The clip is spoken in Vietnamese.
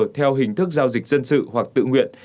theo hình thức giao dịch dân sự hoặc tự nguyện